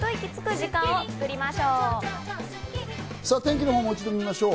天気のほう、もう一度見ましょう。